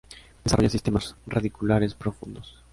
Desarrolla sistemas radiculares profundos.